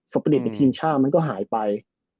ประเด็ตในทีมชาติมันก็หายไป